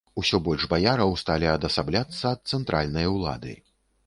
Усё больш баяраў сталі адасабляцца ад цэнтральнай улады.